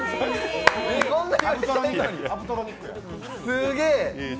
すげえ。